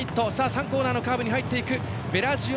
３コーナーのカーブに入っていく。